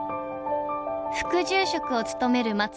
副住職を務める松川さん。